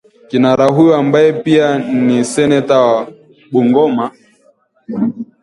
Kinara huyo ambaye pia ni seneta wa Bungoma